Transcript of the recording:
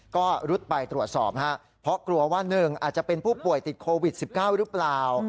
ก็รุดไปตรวจสอบฮะเพราะกลัวว่า๑อาจจะเป็นผู้ป่วยติดโควิด๑๙หรือเปล่า